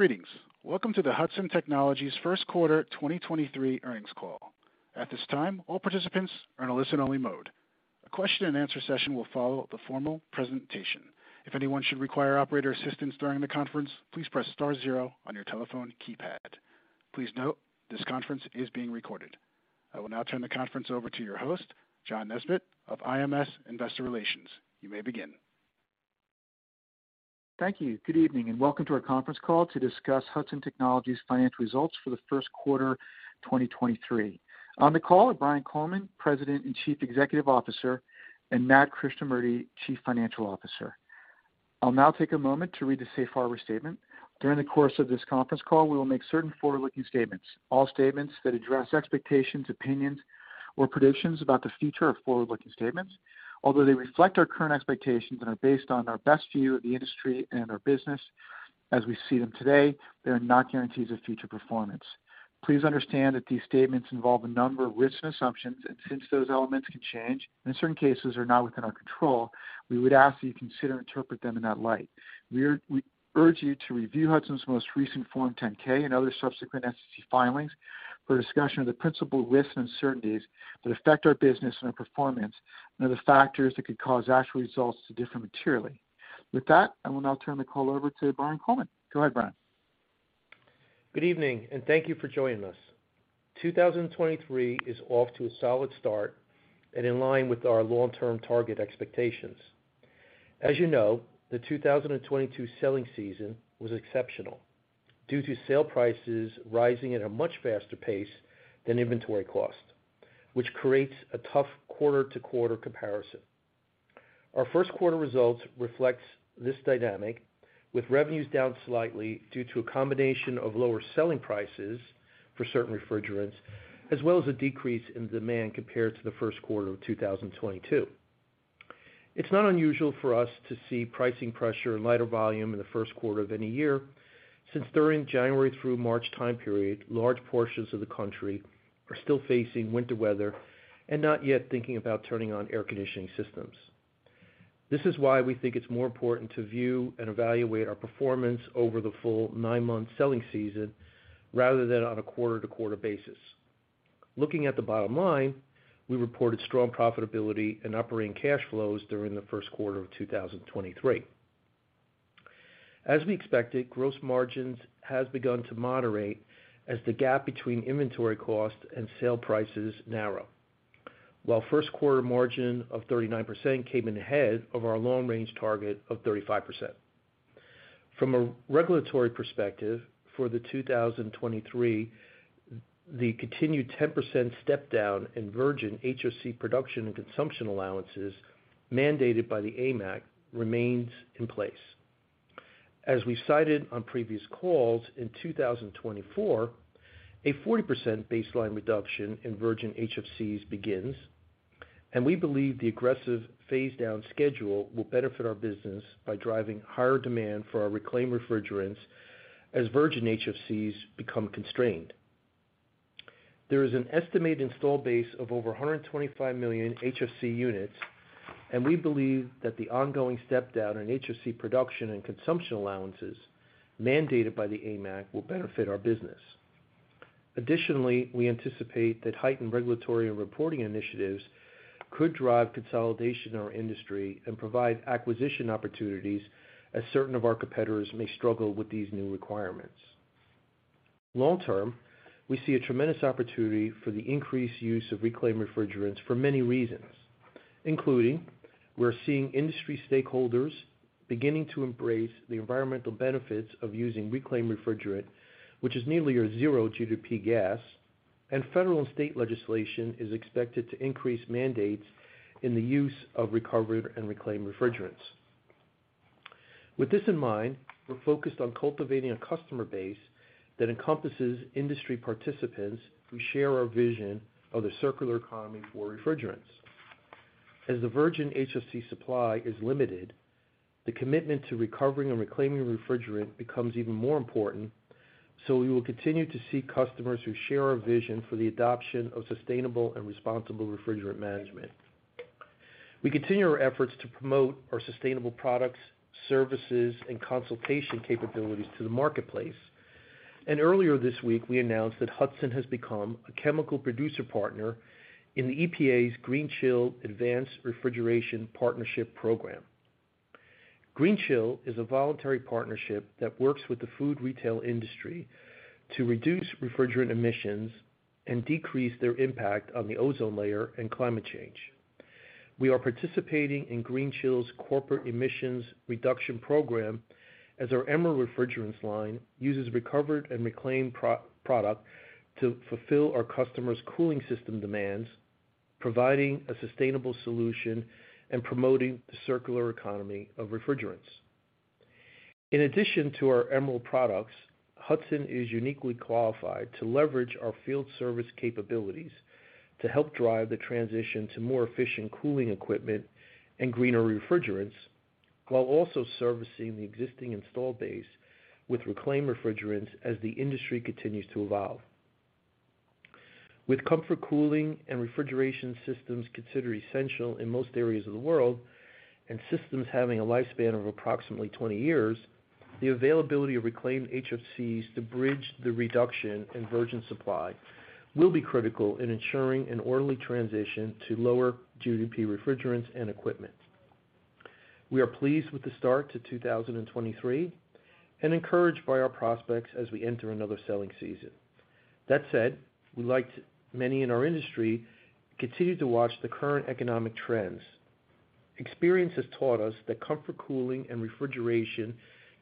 Greetings. Welcome to the Hudson Technologies First Quarter 2023 Earnings Call. At this time, all participants are in a listen-only mode. A question and answer session will follow the formal presentation. If anyone should require operator assistance during the conference, please press star zero on your telephone keypad. Please note this conference is being recorded. I will now turn the conference over to your host, John Nesbett of IMS Investor Relations. You may begin. Thank you. Good evening, and welcome to our conference call to discuss Hudson Technologies financial results for the first quarter 2023. On the call are Brian Coleman, President and Chief Executive Officer, and Nat Krishnamurti, Chief Financial Officer. I'll now take a moment to read the safe harbor statement. During the course of this conference call, we will make certain forward-looking statements. All statements that address expectations, opinions, or predictions about the future are forward-looking statements. Although they reflect our current expectations and are based on our best view of the industry and our business as we see them today, they are not guarantees of future performance. Please understand that these statements involve a number of risks and assumptions, since those elements can change, in certain cases, are not within our control, we would ask that you consider, interpret them in that light. We urge you to review Hudson's most recent Form 10-K and other subsequent SEC filings for a discussion of the principal risks and uncertainties that affect our business and our performance, and other factors that could cause actual results to differ materially. With that, I will now turn the call over to Brian Coleman. Go ahead, Brian. Good evening. Thank you for joining us. 2023 is off to a solid start and in line with our long-term target expectations. As you know, the 2022 selling season was exceptional due to sale prices rising at a much faster pace than inventory cost, which creates a tough quarter-to-quarter comparison. Our first quarter results reflects this dynamic, with revenues down slightly due to a combination of lower selling prices for certain refrigerants, as well as a decrease in demand compared to the first quarter of 2022. It's not unusual for us to see pricing pressure and lighter volume in the first quarter of any year since during January through March time period, large portions of the country are still facing winter weather and not yet thinking about turning on air conditioning systems. This is why we think it's more important to view and evaluate our performance over the full 9-month selling season rather than on a quarter-to-quarter basis. Looking at the bottom line, we reported strong profitability and operating cash flows during the first quarter of 2023. As we expected, gross margins has begun to moderate as the gap between inventory cost and sale prices narrow. First quarter margin of 39% came in ahead of our long range target of 35%. From a regulatory perspective, for the 2023, the continued 10% step down in virgin HFC production and consumption allowances mandated by the AIM Act remains in place. As we've cited on previous calls, in 2024, a 40% baseline reduction in virgin HFCs begins, and we believe the aggressive phase down schedule will benefit our business by driving higher demand for our reclaimed refrigerants as virgin HFCs become constrained. There is an estimated install base of over 125 million HFC units, and we believe that the ongoing step down in HFC production and consumption allowances mandated by the AIM Act will benefit our business. Additionally, we anticipate that heightened regulatory and reporting initiatives could drive consolidation in our industry and provide acquisition opportunities as certain of our competitors may struggle with these new requirements. Long term, we see a tremendous opportunity for the increased use of reclaimed refrigerants for many reasons, including we're seeing industry stakeholders beginning to embrace the environmental benefits of using reclaimed refrigerant, which is nearly a zero GWP gas, and federal and state legislation is expected to increase mandates in the use of recovered and reclaimed refrigerants. With this in mind, we're focused on cultivating a customer base that encompasses industry participants who share our vision of the circular economy for refrigerants. As the virgin HFC supply is limited, the commitment to recovering and reclaiming refrigerant becomes even more important, so we will continue to seek customers who share our vision for the adoption of sustainable and responsible refrigerant management. We continue our efforts to promote our sustainable products, services, and consultation capabilities to the marketplace. Earlier this week, we announced that Hudson has become a chemical producer partner in the EPA's GreenChill Advanced Refrigeration Partnership Program. GreenChill is a voluntary partnership that works with the food retail industry to reduce refrigerant emissions and decrease their impact on the ozone layer and climate change. We are participating in GreenChill's Corporate Emissions Reduction Program as our EMERALD Refrigerants line uses recovered and reclaimed product to fulfill our customers' cooling system demands, providing a sustainable solution and promoting the circular economy of refrigerants. In addition to our EMERALD products, Hudson is uniquely qualified to leverage our field service capabilities to help drive the transition to more efficient cooling equipment and greener refrigerants, while also servicing the existing install base with reclaimed refrigerants as the industry continues to evolve. With comfort cooling and refrigeration systems considered essential in most areas of the world, and systems having a lifespan of approximately 20 years, the availability of reclaimed HFCs to bridge the reduction in virgin supply will be critical in ensuring an orderly transition to lower GWP refrigerants and equipment. We are pleased with the start to 2023 and encouraged by our prospects as we enter another selling season. That said, we like many in our industry, continue to watch the current economic trends. Experience has taught us that comfort, cooling and refrigeration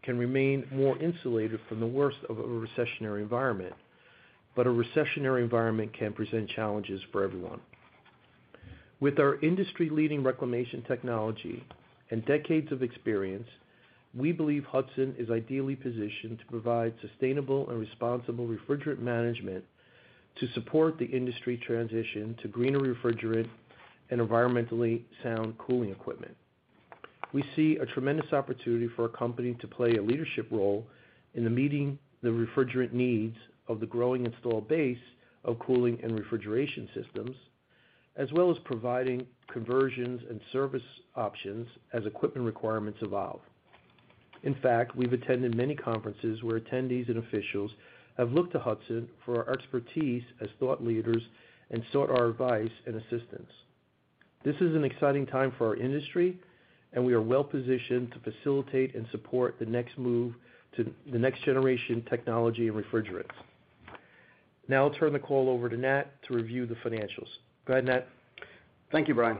can remain more insulated from the worst of a recessionary environment. A recessionary environment can present challenges for everyone. With our industry-leading reclamation technology and decades of experience, we believe Hudson is ideally positioned to provide sustainable and responsible refrigerant management to support the industry transition to greener refrigerant and environmentally sound cooling equipment. We see a tremendous opportunity for a company to play a leadership role in the meeting the refrigerant needs of the growing installed base of cooling and refrigeration systems, as well as providing conversions and service options as equipment requirements evolve. In fact, we've attended many conferences where attendees and officials have looked to Hudson for our expertise as thought leaders and sought our advice and assistance. This is an exciting time for our industry and we are well-positioned to facilitate and support the next move to the next generation technology and refrigerants. I'll turn the call over to Nat to review the financials. Go ahead, Nat. Thank you, Brian.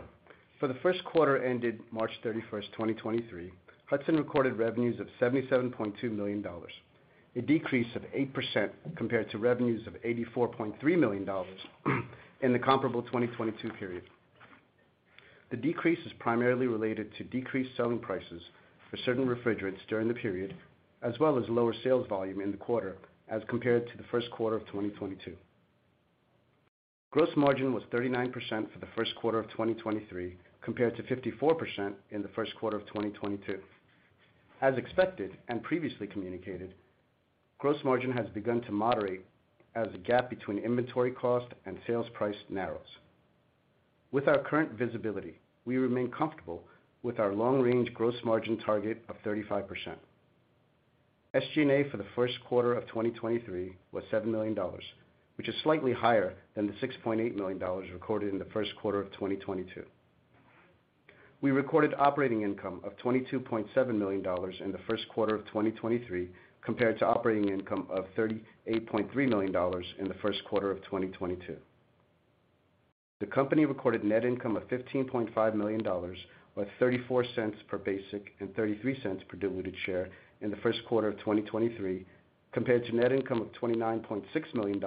For the first quarter ended March 31st, 2023, Hudson recorded revenues of $77.2 million, a decrease of 8% compared to revenues of $84.3 million in the comparable 2022 period. The decrease is primarily related to decreased selling prices for certain refrigerants during the period, as well as lower sales volume in the quarter as compared to the first quarter of 2022. Gross margin was 39% for the first quarter of 2023, compared to 54% in the first quarter of 2022. As expected and previously communicated, gross margin has begun to moderate as the gap between inventory cost and sales price narrows. With our current visibility, we remain comfortable with our long range gross margin target of 35%. SG&A for the first quarter of 2023 was $7 million, which is slightly higher than the $6.8 million recorded in the first quarter of 2022. We recorded operating income of $22.7 million in the first quarter of 2023, compared to operating income of $38.3 million in the first quarter of 2022. The company recorded net income of $15.5 million, or $0.34 per basic and $0.33 per diluted share in the first quarter of 2023, compared to net income of $29.6 million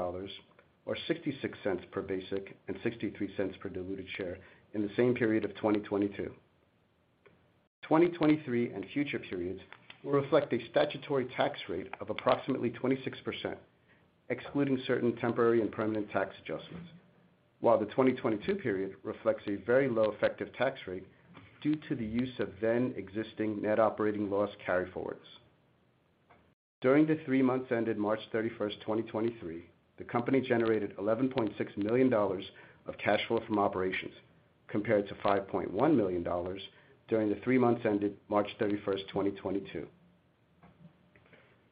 or $0.66 per basic and $0.63 per diluted share in the same period of 2022. 2023 and future periods will reflect a statutory tax rate of approximately 26%, excluding certain temporary and permanent tax adjustments. While the 2022 period reflects a very low effective tax rate due to the use of then existing net operating loss carryforwards. During the three months ended March thirty-first, 2023, the company generated $11.6 million of cash flow from operations, compared to $5.1 million during the three months ended March thirty-first, 2022.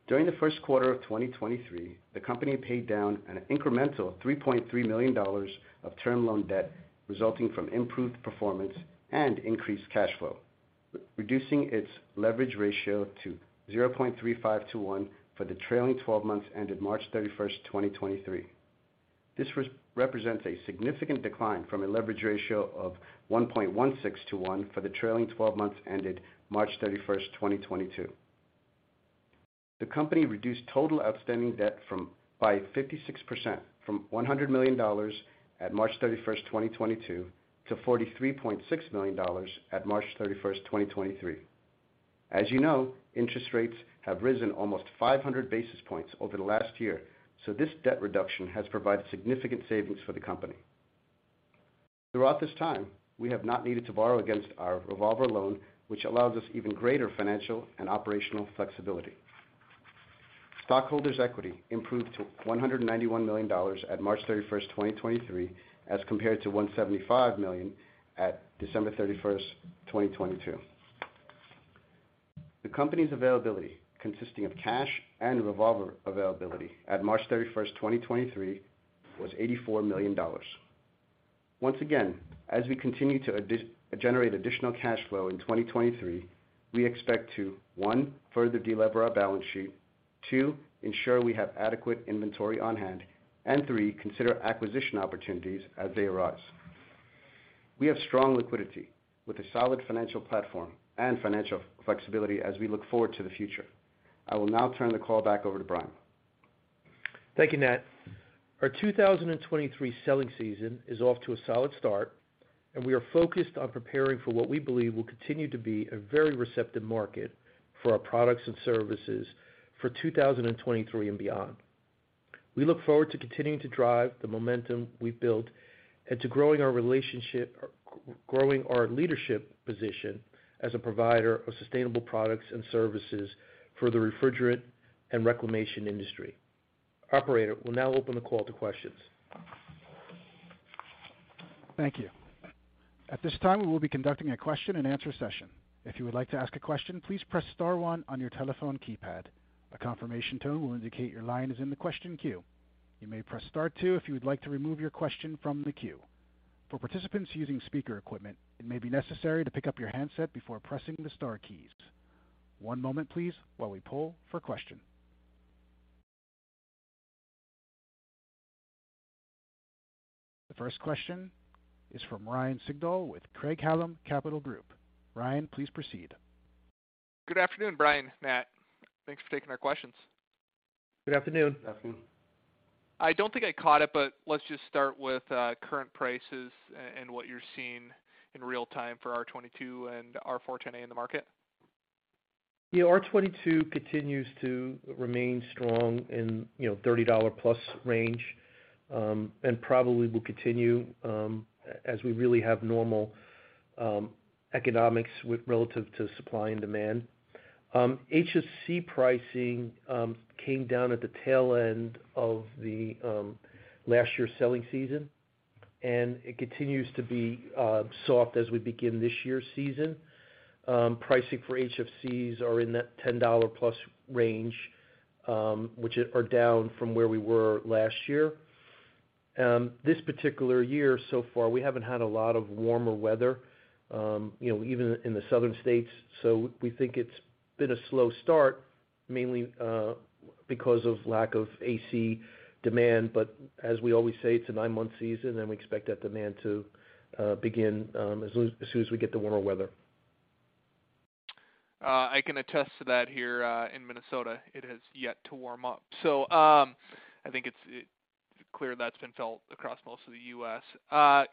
During the first quarter of 2023, the company paid down an incremental $3.3 million of term loan debt, resulting from improved performance and increased cash flow, reducing its leverage ratio to 0.35 to 1 for the trailing 12 months ended March thirty-first, 2023. This represents a significant decline from a leverage ratio of 1.16 to 1 for the trailing 12 months ended March thirty-first, 2022. The company reduced total outstanding debt by 56% from $100 million at March 31, 2022 to $43.6 million at March 31, 2023. As you know, interest rates have risen almost 500 basis points over the last year, this debt reduction has provided significant savings for the company. Throughout this time, we have not needed to borrow against our revolver loan, which allows us even greater financial and operational flexibility. Stockholders equity improved to $191 million at March 31, 2023, as compared to $175 million at December 31, 2022. The company's availability, consisting of cash and revolver availability at March 31, 2023 was $84 million. Once again, as we continue to generate additional cash flow in 2023, we expect to, one, further delever our balance sheet. Two, ensure we have adequate inventory on-hand. Three, consider acquisition opportunities as they arise. We have strong liquidity with a solid financial platform and financial flexibility as we look forward to the future. I will now turn the call back over to Brian. Thank you, Nat. Our 2023 selling season is off to a solid start, and we are focused on preparing for what we believe will continue to be a very receptive market for our products and services for 2023 and beyond. We look forward to continuing to drive the momentum we've built and to growing our leadership position as a provider of sustainable products and services for the refrigerant and reclamation industry. Operator, we'll now open the call to questions. Thank you. At this time, we will be conducting a question and answer session. If you would like to ask a question, please press star one on your telephone keypad. A confirmation tone will indicate your line is in the question queue. You may press star two if you would like to remove your question from the queue. For participants using speaker equipment, it may be necessary to pick up your handset before pressing the star keys. One moment please while we poll for question. The first question is from Ryan Sigdahl with Craig-Hallum Capital Group. Ryan, please proceed. Good afternoon, Brian, Nat. Thanks for taking our questions. Good afternoon. Afternoon. I don't think I caught it, but let's just start with current prices and what you're seeing in real-time for R-22 and R-410A in the market. Yeah. R-22 continues to remain strong in, you know, $30 plus range, probably will continue as we really have normal economics with relative to supply and demand. HFC pricing came down at the tail end of the last year's selling season, it continues to be soft as we begin this year's season. Pricing for HFCs are in that $10 plus range, which are down from where we were last year. This particular year so far, we haven't had a lot of warmer weather, you know, even in the southern states. We think it's been a slow start, mainly because of lack of AC demand. As we always say, it's a 9-month season, we expect that demand to begin as soon as we get the warmer weather. I can attest to that here, in Minnesota. It has yet to warm up. I think it's clear that's been felt across most of the U.S.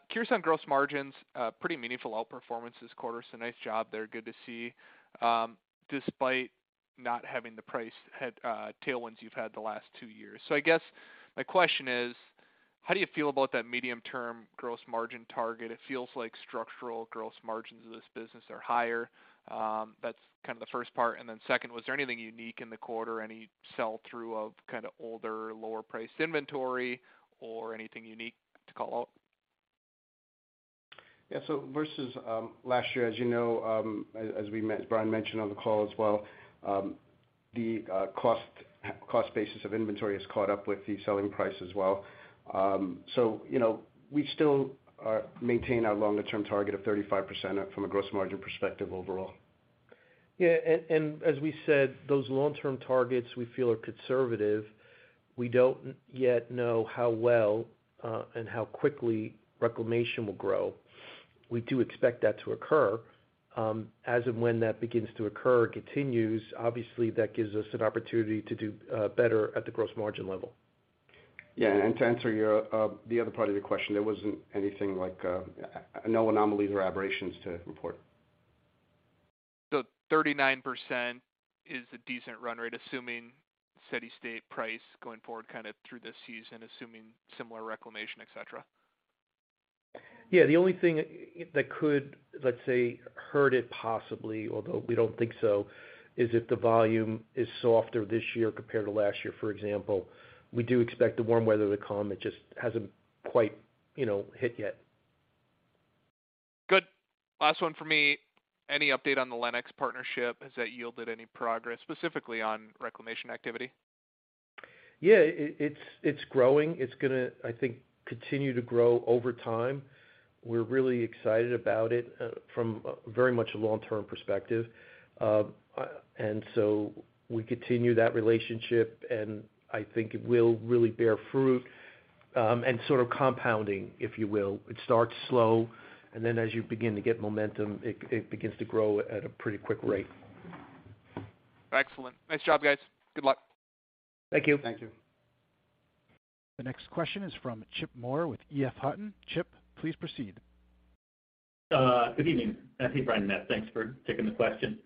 Curious on gross margins, pretty meaningful outperformance this quarter, so nice job there. Good to see, despite not having the price tailwinds you've had the last two years. I guess my question is: how do you feel about that medium-term gross margin target? It feels like structural gross margins of this business are higher. That's kind of the first part. Second, was there anything unique in the quarter, any sell-through of kind of older, lower priced inventory or anything unique to call out? Yeah. Versus, last year, as you know, as Brian Coleman mentioned on the call as well, the cost basis of inventory has caught up with the selling price as well. You know, we still maintain our longer-term target of 35% from a gross margin perspective overall. Yeah. As we said, those long-term targets we feel are conservative. We don't yet know how well and how quickly reclamation will grow. We do expect that to occur. As and when that begins to occur continues, obviously that gives us an opportunity to do better at the gross margin level. Yeah. To answer your, the other part of your question, there wasn't anything like no anomalies or aberrations to report. 39% is a decent run rate, assuming steady-state price going forward, kind of through the season, assuming similar reclamation, etc. Yeah. The only thing that could, let's say, hurt it, possibly, although we don't think so, is if the volume is softer this year compared to last year, for example. We do expect the warm weather to come. It just hasn't quite, you know, hit yet. Good. Last one from me. Any update on the Lennox partnership? Has that yielded any progress, specifically on reclamation activity? Yeah, it's growing. It's gonna, I think, continue to grow over time. We're really excited about it from very much a long-term perspective. We continue that relationship, and I think it will really bear fruit, and sort of compounding, if you will. It starts slow, and then as you begin to get momentum, it begins to grow at a pretty quick rate. Excellent. Nice job, guys. Good luck. Thank you. Thank you. The next question is from Chip Moore with EF Hutton. Chip, please proceed. Good evening. I think Brian, Nat. Thanks for taking the question.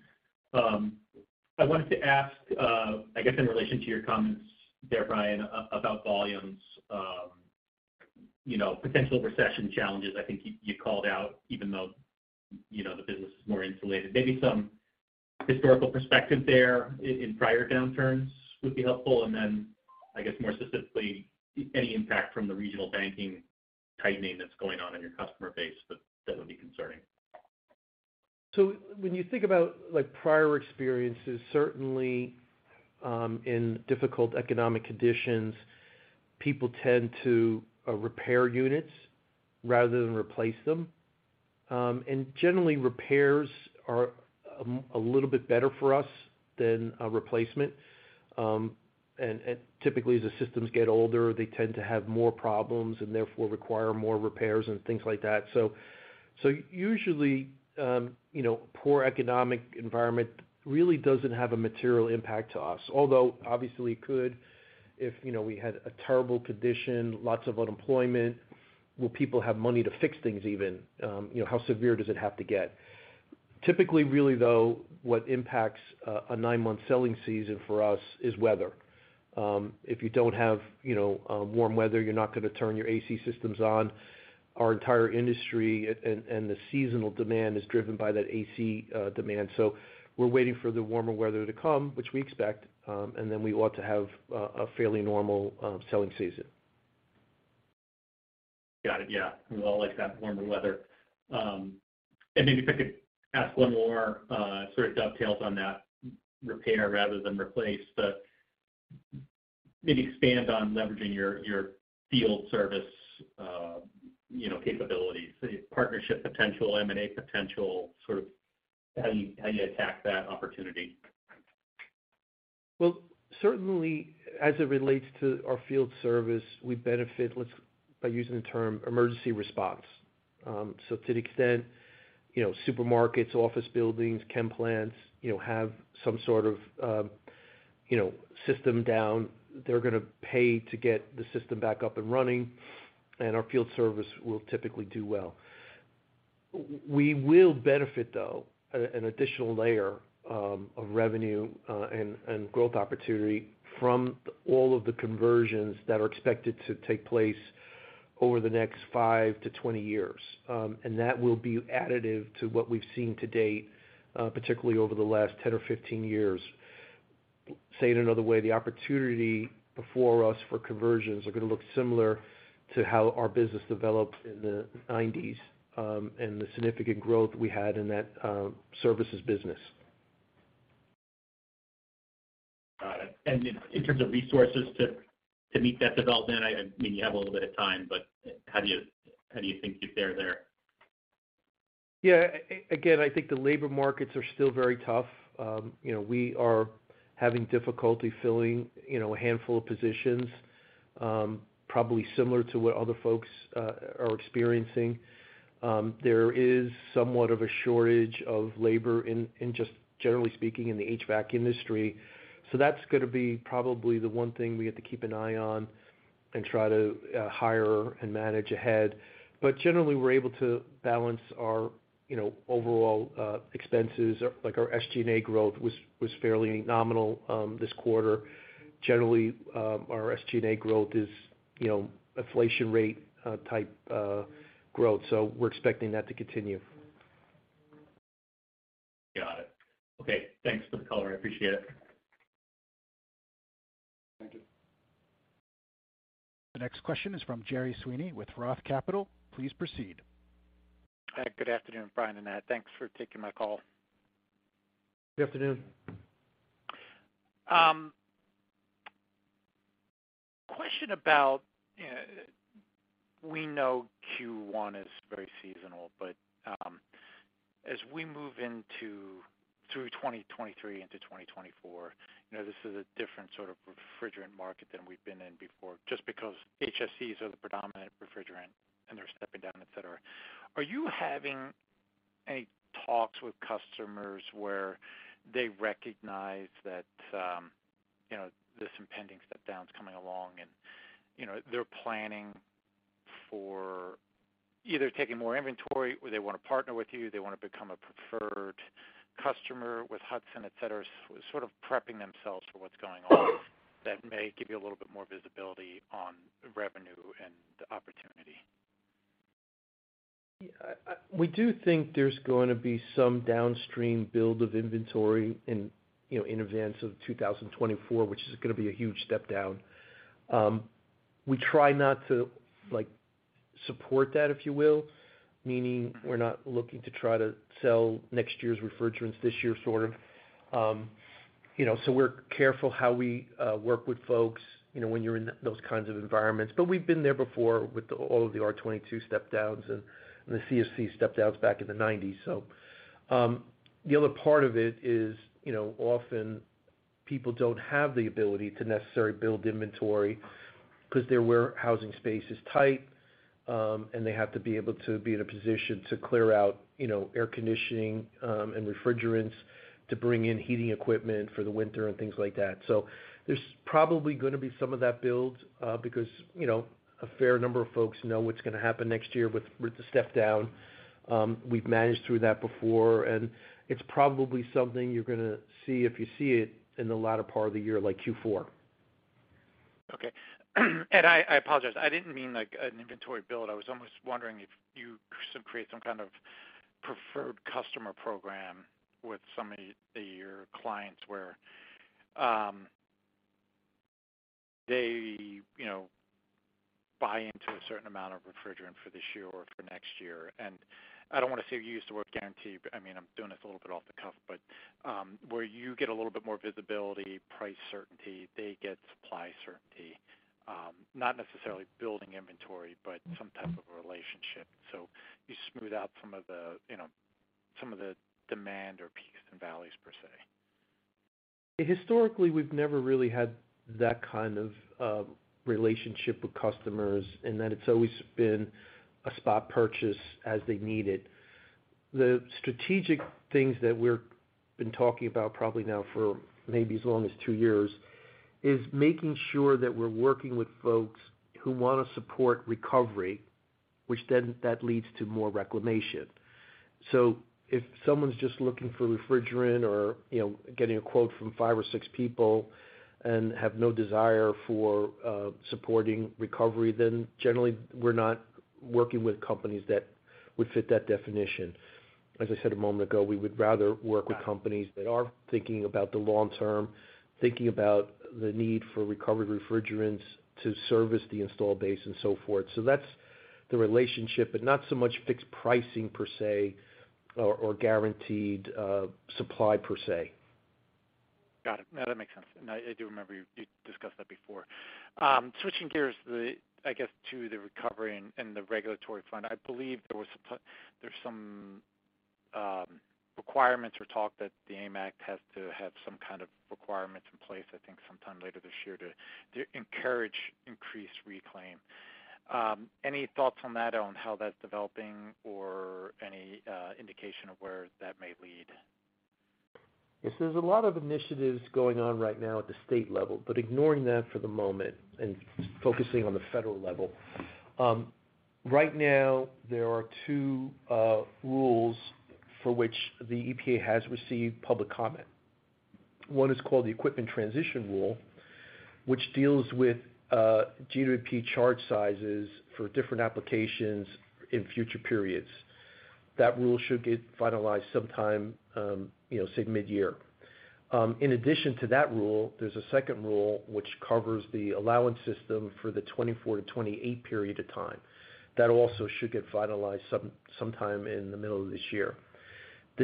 I wanted to ask, I guess in relation to your comments there, Brian, about volumes, you know, potential recession challenges, I think you called out even though, you know, the business is more insulated. Maybe some historical perspective there in prior downturns would be helpful. I guess more specifically, any impact from the regional banking tightening that's going on in your customer base that would be concerning. When you think about like prior experiences, certainly, in difficult economic conditions, people tend to repair units rather than replace them. Generally repairs are a little bit better for us than a replacement. Typically, as the systems get older, they tend to have more problems and therefore require more repairs and things like that. Usually, you know, poor economic environment really doesn't have a material impact to us. Obviously it could if, you know, we had a terrible condition, lots of unemployment, will people have money to fix things even? You know, how severe does it have to get? Typically, really, though, what impacts a 9-month selling season for us is weather. If you don't have, you know, warm weather, you're not gonna turn your AC systems on. Our entire industry and the seasonal demand is driven by that AC demand. We're waiting for the warmer weather to come, which we expect, and then we ought to have a fairly normal selling season. Got it. Yeah. We all like to have warmer weather. Maybe if I could ask one more, sort of dovetails on that repair rather than replace, but maybe expand on leveraging your field service, you know, capabilities, the partnership potential, M&A potential, sort of how you, how you attack that opportunity. Well, certainly as it relates to our field service, we benefit by using the term emergency response. To the extent, you know, supermarkets, office buildings, chem plants, you know, have some sort of, you know, system down, they're gonna pay to get the system back up and running, and our field service will typically do well. We will benefit though, an additional layer of revenue and growth opportunity from all of the conversions that are expected to take place over the next 5-20 years. That will be additive to what we've seen to date, particularly over the last 10 or 15 years. Say it another way, the opportunity before us for conversions are gonna look similar to how our business developed in the '90s, and the significant growth we had in that services business. Got it. In terms of resources to meet that development, I know you have a little bit of time, but how do you think you fare there? Yeah. Again, I think the labor markets are still very tough. You know, we are having difficulty filling, you know, a handful of positions, probably similar to what other folks are experiencing. There is somewhat of a shortage of labor in just generally speaking, in the HVAC industry. That's gonna be probably the one thing we have to keep an eye on and try to hire and manage ahead. Generally, we're able to balance our, you know, overall expenses. Like our SG&A growth was fairly nominal this quarter. Generally, our SG&A growth is, you know, inflation rate type growth, so we're expecting that to continue. Got it. Okay, thanks for the color. I appreciate it. Thank you. The next question is from Gerry Sweeney with ROTH Capital. Please proceed. Good afternoon, Brian and Nat. Thanks for taking my call. Good afternoon. Question about, we know Q1 is very seasonal, but as we move into, through 2023 into 2024, you know, this is a different sort of refrigerant market than we've been in before, just because HFCs are the predominant refrigerant, and they're stepping down, etc. Are you having any talks with customers where they recognize that, you know, this impending step down's coming along and, you know, they're planning for either taking more inventory or they wanna partner with you, they wanna become a preferred customer with Hudson, etc, sort of prepping themselves for what's going on that may give you a little bit more visibility on revenue and opportunity? We do think there's gonna be some downstream build of inventory in, you know, in advance of 2024, which is gonna be a huge step down. We try not to, like, support that, if you will, meaning we're not looking to try to sell next year's refrigerants this year, sort of. You know, we're careful how we work with folks, you know, when you're in those kinds of environments. We've been there before with all of the R-22 step downs and the CFC step downs back in the '90s. The other part of it is, you know, often people don't have the ability to necessarily build inventory 'cause their warehousing space is tight, and they have to be able to be in a position to clear out, you know, air conditioning, and refrigerants to bring in heating equipment for the winter and things like that. There's probably gonna be some of that build, because, you know, a fair number of folks know what's gonna happen next year with the step down. We've managed through that before, and it's probably something you're gonna see if you see it in the latter part of the year, like Q4. Okay. I apologize. I didn't mean like an inventory build. I was almost wondering if you create some kind of preferred customer program with some of your clients where, they, you know, buy into a certain amount of refrigerant for this year or for next year. I don't wanna say use the word guarantee, but I mean, I'm doing this a little bit off the cuff. Where you get a little bit more visibility, price certainty, they get supply certainty, not necessarily building inventory, but some type of a relationship. You smooth out some of the, you know, some of the demand or peaks and valleys per se. Historically, we've never really had that kind of relationship with customers in that it's always been a spot purchase as they need it. The strategic things that we're been talking about probably now for maybe as long as two years, is making sure that we're working with folks who wanna support recovery, which then leads to more reclamation. If someone's just looking for refrigerant or, you know, getting a quote from five or six people and have no desire for supporting recovery, then generally we're not working with companies that would fit that definition. As I said a moment ago, we would rather work with companies that are thinking about the long term, thinking about the need for recovered refrigerants to service the install base and so forth. That's the relationship, but not so much fixed pricing per se or guaranteed supply per se. Got it. No, that makes sense. I do remember you discussed that before. Switching gears I guess to the recovery and the regulatory front. I believe there's some requirements or talk that the AIM Act has to have some kind of requirements in place, I think sometime later this year to encourage increased reclaim. Any thoughts on that, on how that's developing or any indication of where that may lead? Yes. There's a lot of initiatives going on right now at the state level, ignoring that for the moment and focusing on the federal level. Right now there are two rules for which the EPA has received public comment. One is called the Equipment Transition Rule, which deals with GWP charge sizes for different applications in future periods. That rule should get finalized sometime, you know, say mid-year. In addition to that rule, there's a second rule which covers the allowance system for the 2024 to 2028 period of time. That also should get finalized sometime in the middle of this year.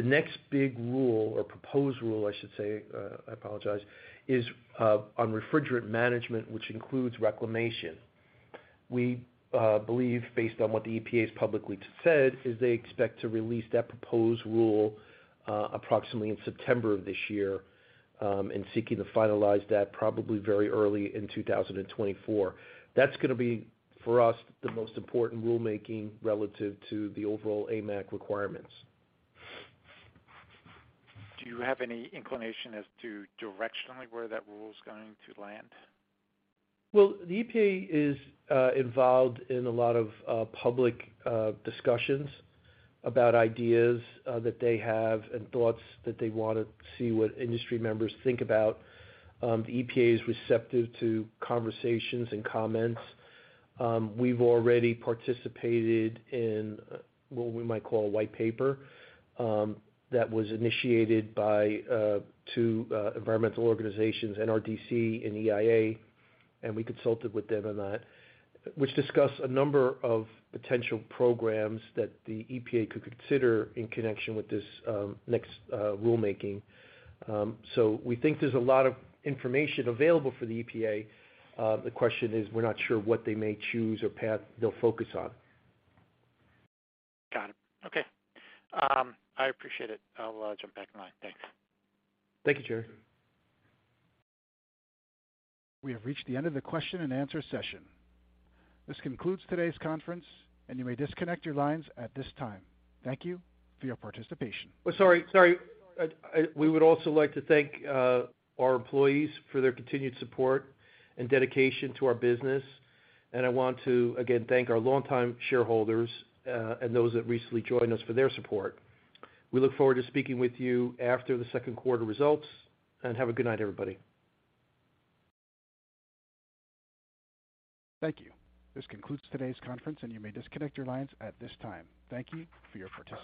The next big rule or proposed rule, I should say, I apologize, is on refrigerant management, which includes reclamation. We believe based on what the EPA has publicly said, is they expect to release that proposed rule approximately in September of this year, and seeking to finalize that probably very early in 2024. That's gonna be for us the most important rulemaking relative to the overall AIM Act requirements. Do you have any inclination as to directionally where that rule is going to land? Well, the EPA is involved in a lot of public discussions about ideas that they have and thoughts that they wanna see what industry members think about. The EPA is receptive to conversations and comments. We've already participated in what we might call a white paper that was initiated by two environmental organizations, NRDC and EIA, and we consulted with them on that. Which discuss a number of potential programs that the EPA could consider in connection with this next rulemaking. We think there's a lot of information available for the EPA. The question is we're not sure what they may choose or path they'll focus on. Got it. Okay. I appreciate it. I'll jump back in line. Thanks. Thank you, Gerry. We have reached the end of the question and answer session. This concludes today's conference and you may disconnect your lines at this time. Thank you for your participation. Sorry, sorry. We would also like to thank our employees for their continued support and dedication to our business. I want to again thank our longtime shareholders and those that recently joined us for their support. We look forward to speaking with you after the second quarter results and have a good night everybody. Thank you. This concludes today's conference and you may disconnect your lines at this time. Thank you for your participation.